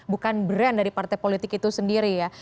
bukan brand dari partai politik itu sendiri ya